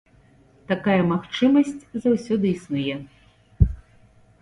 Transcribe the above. Такая магчымасць заўсёды існуе.